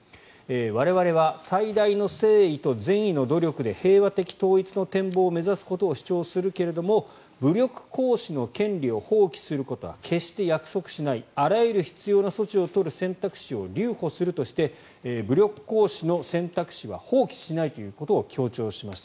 我々は最大の誠意と善意の努力で平和的統一の展望を目指すことを主張するけれども武力行使の権利を放棄することは決して約束しないあらゆる必要な措置を取る選択肢を留保するとして武力行使の選択肢は放棄しないということを強調しました。